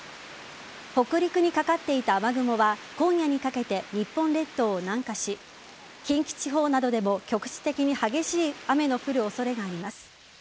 北陸にかかっていた雨雲は今夜にかけて日本列島を南下し近畿地方などでも局地的に激しい雨の降る恐れがあります。